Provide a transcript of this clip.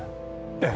ええ。